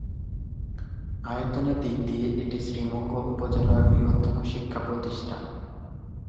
আয়তনের দিক দিয়ে এটি শ্রীমঙ্গল উপজেলার বৃহত্তম শিক্ষা প্রতিষ্ঠান।